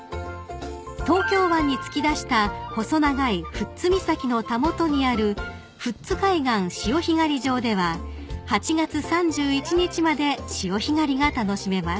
［東京湾に突き出した細長い富津岬のたもとにある富津海岸潮干狩り場では８月３１日まで潮干狩りが楽しめます］